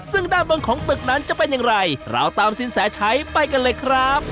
ซึ่งด้านบนของตึกนั้นจะเป็นอย่างไรเราตามสินแสชัยไปกันเลยครับ